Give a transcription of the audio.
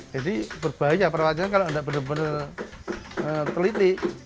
jadi berbahaya kalau tidak benar benar teliti